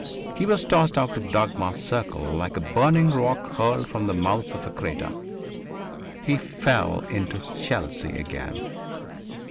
He was tossed out of Dagmar's circle like a burning rock hurled from the mouth of a crater; he fell into Chelsea again.